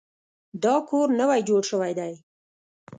دا کور نوی جوړ شوی دی.